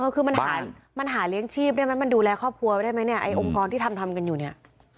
คือมันหาเลี้ยงชีพได้ไหมมันดูแลครอบครัวไว้ได้ไหมเนี่ยไอ้องค์กรที่ทำกันอยู่เนี่ย